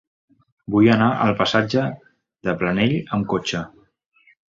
Vull anar al passatge de Planell amb cotxe.